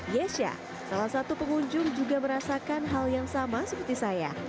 yesha salah satu pengunjung juga merasakan hal yang sama seperti saya